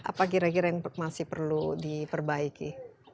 apa kira kira yang masih perlu diperbaiki